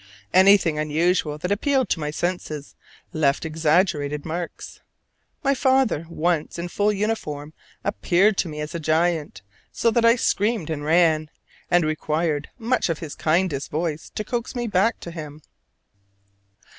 Anything unusual that appealed to my senses left exaggerated marks. My father once in full uniform appeared to me as a giant, so that I screamed and ran, and required much of his kindest voice to coax me back to him.